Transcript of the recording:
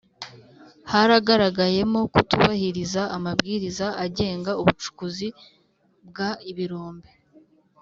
haragaragayemo kutubahiriza amabwiriza agenga ubucukuzi bw ibirombe